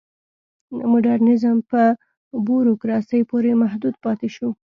مډرنیزم په بوروکراسۍ پورې محدود پاتې شو.